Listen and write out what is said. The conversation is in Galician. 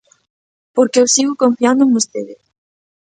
Porque eu sigo confiando en vostede.